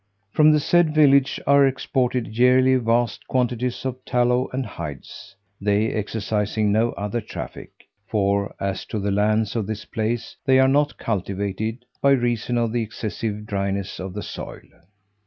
From the said village are exported yearly vast quantities of tallow and hides, they exercising no other traffic: for as to the lands in this place, they are not cultivated, by reason of the excessive dryness of the soil.